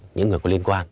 những người có liên quan